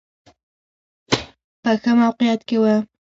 په ښه موقعیت کې و.